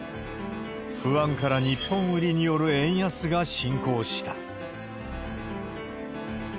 不安から日本売りによる円安が進行した。